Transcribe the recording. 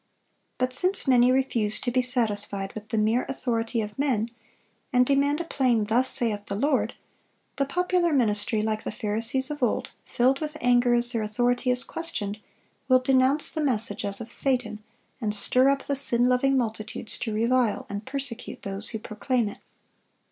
But since many refuse to be satisfied with the mere authority of men, and demand a plain "Thus saith the Lord," the popular ministry, like the Pharisees of old, filled with anger as their authority is questioned, will denounce the message as of Satan, and stir up the sin loving multitudes to revile and persecute those who proclaim it.